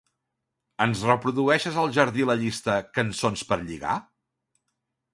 Ens reprodueixes al jardí la llista "cançons per lligar"?